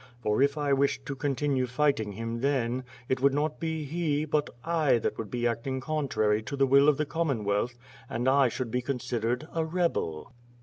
For if I wished to continue fighting him then, it would not be he, but I, that would be acting contrary to the will of the Commonwealth and I should be considered a rebel."